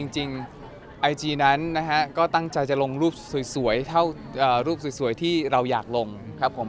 จริงไอจีนั้นนะฮะก็ตั้งใจจะลงรูปสวยเท่ารูปสวยที่เราอยากลงครับผม